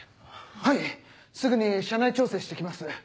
はいすぐに社内調整して来ます。